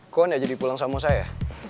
kok tidak jadi pulang sama saya